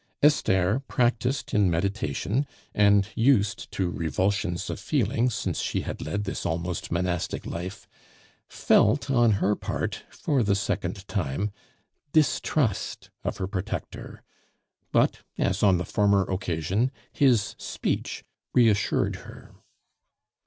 Esther, practised in meditation, and used to revulsions of feeling since she had led this almost monastic life, felt on her part, for the second time, distrust of her protector; but, as on the former occasion, his speech reassured her.